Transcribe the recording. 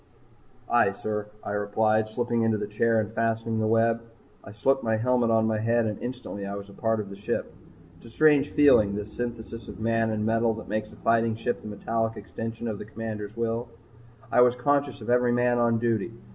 "Aye, sir," I replied, slipping into the chair and fastening the web. I slipped the helmet on my head and instantly I was a part of the ship. It's a strange feeling, this synthesis of man and metal that makes a fighting ship the metallic extension of the Commander's will. I was conscious of every man on duty.